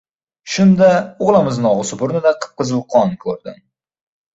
Shunda, o‘g‘limizni og‘zi burnida qip-qizil qon ko‘rdim.